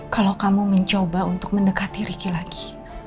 kalau kamu mencoba untuk mendekati ricky lagi